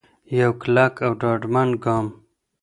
یو کلک او ډاډمن ګام.